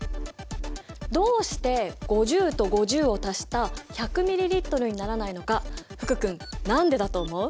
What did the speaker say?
どうして５０と５０を足した１００ｍＬにならないのか福君何でだと思う？